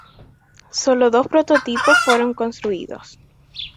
Sólo dos prototipos fueron construidos.